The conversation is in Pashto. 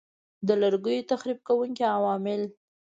د لرګیو تخریب کوونکي عوامل